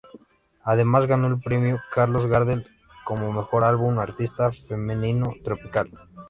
Además ganó el Premio Carlos Gardel como "Mejor Álbum Artista Femenino Tropical".